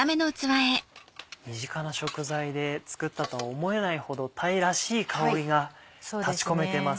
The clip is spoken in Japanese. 身近な食材で作ったとは思えないほどタイらしい香りが立ち込めてます。